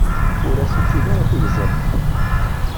Ur as-ufin ara tigẓelt.